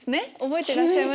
覚えてる！